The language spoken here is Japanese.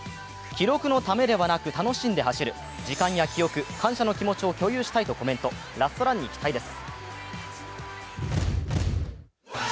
記録のためではなく楽しんで走る、時間や記憶、感謝の気持ちを共有したいとコメントラストランに期待です。